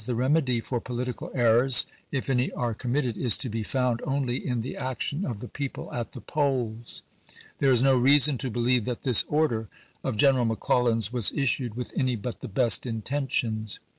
the remedy for political errors, if any are com mitted, is to be found only in the action of the people at the polls." There is no reason to believe that this order of General McClellan's was issued with any but the best intentions.